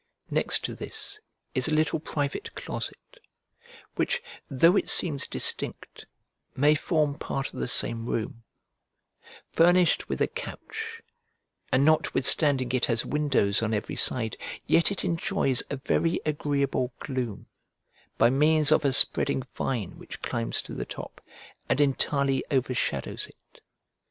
Next to this is a little private closet (which, though it seems distinct, may form part of the same room), furnished with a couch, and notwithstanding it has windows on every side, yet it enjoys a very agreeable gloom, by means of a spreading vine which climbs to the top, and entirely overshadows it.